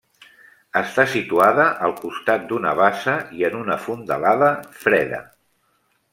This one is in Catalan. Està situada al costat d'una bassa i en una fondalada freda.